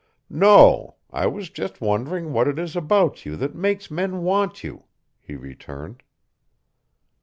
"No. I was just wondering what it is about you that makes men want you," he returned.